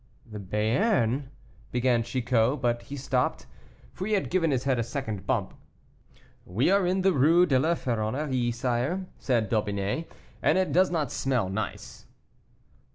"The Béarn " began Chicot, but he stopped, for he had given his head a second bump. "We are in the Rue de la Ferronnerie, sire," said D'Aubigné, "and it does not smell nice."